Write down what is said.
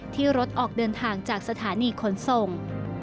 ที่รถออกเดินทางจากสถานีขนส่ง